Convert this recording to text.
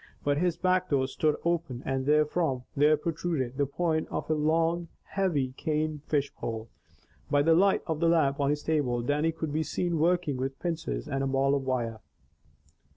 But his back door stood open and therefrom there protruded the point of a long, heavy cane fish pole. By the light of a lamp on his table, Dannie could be seen working with pincers and a ball of wire.